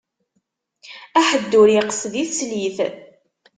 Aḥeddur iqsed i teslit.